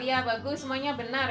ya bagus semuanya benar